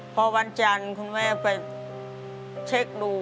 พอวันจันทร์คุณแม่ไปเช็คดู